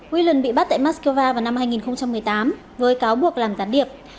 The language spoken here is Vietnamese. ween bị bắt tại moscow vào năm hai nghìn một mươi tám với cáo buộc làm gián điệp